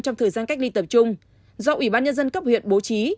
trong thời gian cách ly tập trung do ủy ban nhân dân cấp huyện bố trí